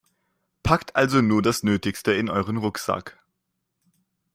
Packt also nur das Nötigste in euren Rucksack.